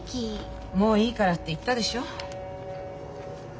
もういいからって言ったでしょ。